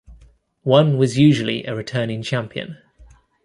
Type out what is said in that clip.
One was usually a returning champion.